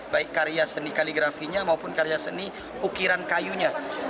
baik karya seni kaligrafinya maupun karya seni ukiran kayunya